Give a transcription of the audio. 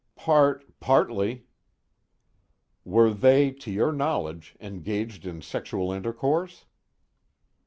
"Part partly." "Were they, to your knowledge, engaged in sexual intercourse?"